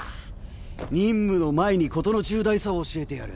任務の前に事の重大さを教えてやる。